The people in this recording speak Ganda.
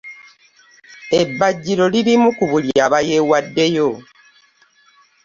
Ebbajiro lirimu kubuli aba yewaddeyo .